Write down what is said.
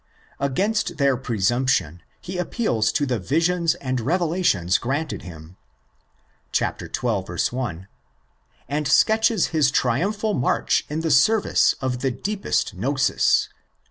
Against their presumption he appeals to the visions and revelations granted him (xii. 1), and sketches his triumphal march in the service of the deepest gnosis (ii.